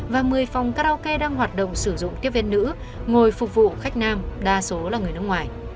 và một mươi phòng karaoke đang hoạt động sử dụng tiếp viên nữ ngồi phục vụ khách nam đa số là người nước ngoài